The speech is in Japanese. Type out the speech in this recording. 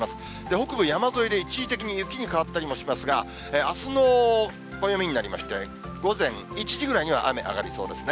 北部山沿いで一時的に雪に変わったりもしますが、あすの暦になりまして、午前１時ぐらいには雨上がりそうですね。